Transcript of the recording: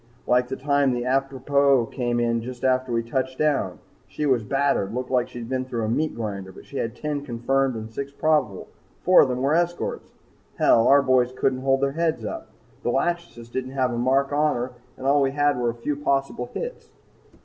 Like the time the 'Atropos' came in just after we touched down. She was battered looked like she'd been through a meat grinder, but she had ten confirmed and six probable, and four of them were escorts! Hell! Our boys couldn't hold their heads up. The 'Lachesis' didn't have a mark on her and all we had was a few possible hits.